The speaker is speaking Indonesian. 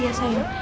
aku takut mama